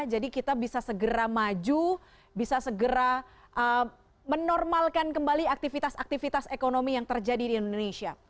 jadi kita bisa segera maju bisa segera menormalkan kembali aktivitas aktivitas ekonomi yang terjadi di indonesia